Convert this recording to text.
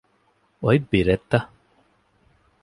އޮތް ބިރެއްތަ؟